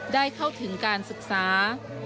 ได้เข้าถึงการศึกษา